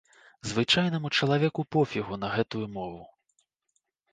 Звычайнаму чалавеку пофігу на гэтую мову.